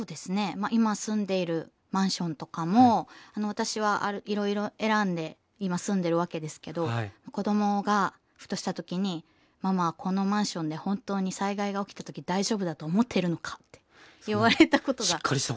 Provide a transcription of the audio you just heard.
まあ今住んでいるマンションとかも私はいろいろ選んで今住んでるわけですけど子どもがふとした時に「ママこのマンションで本当に災害が起きた時大丈夫だと思ってるのか」って言われたことがありました。